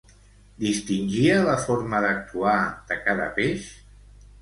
Distingia la forma d'actuar de cada peix?